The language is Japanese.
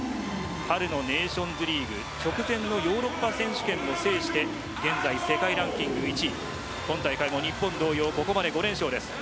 春のネーションズリーグ直前のヨーロッパ選手権を制して現在、世界ランキング１位。今大会も日本同様ここまで５連勝です。